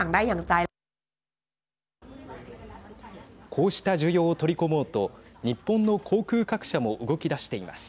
こうした需要を取り込もうと日本の航空各社も動きだしています。